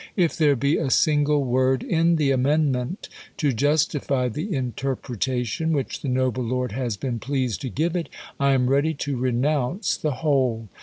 If there be a single v.ord in the amendment to justify the interpretation, which the noble lord has been pleased to give it, I am ready to renounce the whole.